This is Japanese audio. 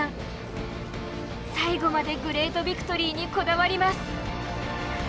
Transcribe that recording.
最後までグレートビクトリーにこだわります。